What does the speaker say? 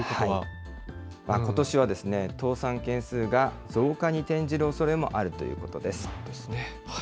ことしは倒産件数が増加に転じるおそれもあるということです。